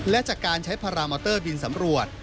และจากการใช้พารามอเตอร์บินสำรวจ